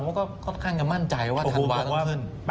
ผมก็ค่อนข้างมั่นใจว่าธันวานี้ทั้งขึ้น